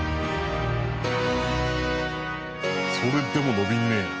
それでも伸びんねや。